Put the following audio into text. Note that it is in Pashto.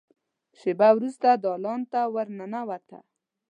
شېبه وروسته دالان ته ور ننوته.